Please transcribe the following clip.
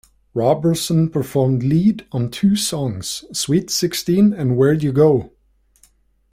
Roberson performed lead on two songs: "Sweet Sixteen" and "Where'd You Go".